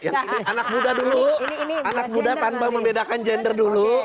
anak muda dulu anak muda tanpa membedakan gender dulu